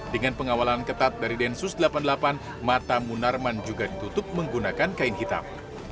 dengan pengawalan ketat dari densus delapan puluh delapan mata munarman juga ditutup menggunakan kain hitam